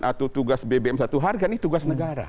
atau tugas bbm satu harga ini tugas negara